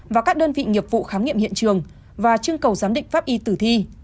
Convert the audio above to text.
và các đơn vị nghiệp vụ khám nghiệm hiện trường và chương cầu giám định pháp y tử thi